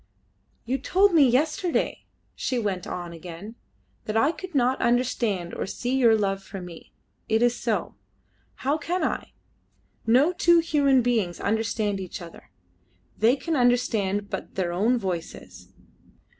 "You told me yesterday," she went on again, "that I could not understand or see your love for me: it is so. How can I? No two human beings understand each other. They can understand but their own voices.